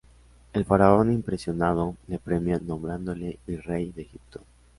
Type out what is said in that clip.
El Faraón impresionado le premia nombrándole virrey de Egipto.